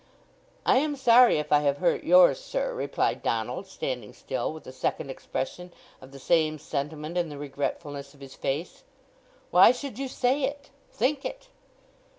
"I am sorry if I have hurt yours, sir," replied Donald, standing still, with a second expression of the same sentiment in the regretfulness of his face. "Why should you say it—think it?"